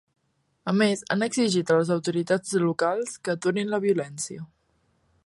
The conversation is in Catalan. A més, han exigit a les autoritats locals que aturin la violència.